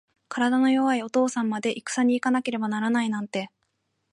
体の弱いお父さんまで、いくさに行かなければならないなんて。